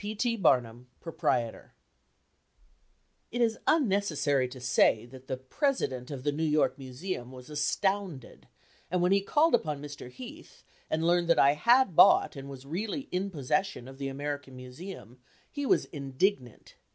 P. T. BARNUM, Proprietor. It is unnecessary to say that the "President of the New York Museum" was astounded, and when he called upon Mr. Heath, and learned that I had bought and was really in possession of the American Museum, he was indignant.